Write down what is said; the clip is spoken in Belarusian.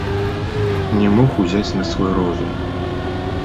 Не мог узяць на свой розум.